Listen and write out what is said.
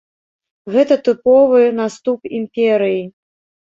Гэта тыповы наступ імперыі.